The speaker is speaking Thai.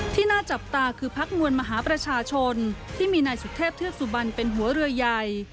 ที่น่าจับตาคือพักมวลมหาประชาชนที่มีนายสุเทพเทือกสุบันเป็นหัวเรือใหญ่